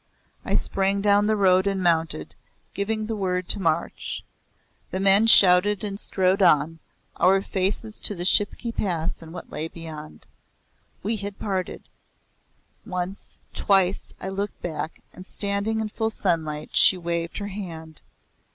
I sprang down the road and mounted, giving the word to march. The men shouted and strode on our faces to the Shipki Pass and what lay beyond. We had parted. Once, twice, I looked back, and standing in full sunlight, she waved her hand.